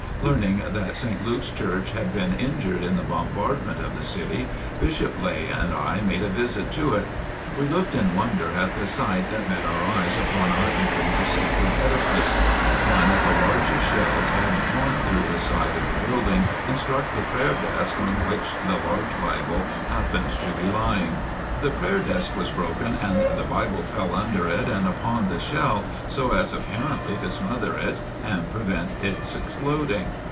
Learning that St. Luke's Church had been injured in the bombardment of the city, Bishop Lay and I made a visit to it. We looked in wonder at the sight that met our eyes upon our entering the sacred edifice. One of the largest shells had torn through the side of the building and struck the prayer desk on which the large Bible happened to be lying. The prayer desk was broken and the Bible fell under it and upon the shell so as apparently to smother it and prevent its exploding.